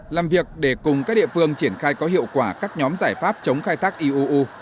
làm việc để cùng các địa phương triển khai có hiệu quả các nhóm giải pháp chống khai thác iuu